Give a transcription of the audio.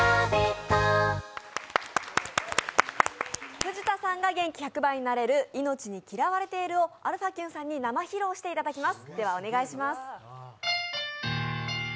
藤田さんが元気１００倍になれる「命に嫌われている」を＋α／あるふぁきゅんさんに生披露していただきます。